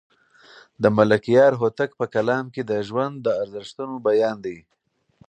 د ملکیار هوتک په کلام کې د ژوند د ارزښتونو بیان دی.